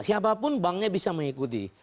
siapapun banknya bisa mengikuti